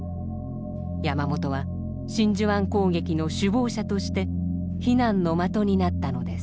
山本は真珠湾攻撃の首謀者として非難の的になったのです。